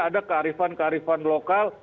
ada kearifan kearifan lokal